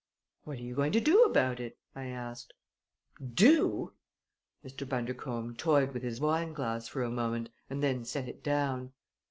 "What are you going to do about it?" I asked. "Do!" Mr. Bundercombe toyed with his wine glass for a moment and then set it down.